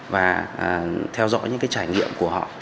và theo dõi những trải nghiệm của họ